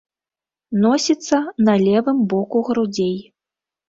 Носіцца на левым боку грудзей.